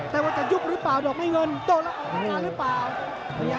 แต่ว่าจะยุบหรือเปล่าดอกไม้เงินโดนแล้วออกทำงานหรือเปล่า